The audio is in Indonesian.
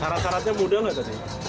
sarat saratnya mudah lah tadi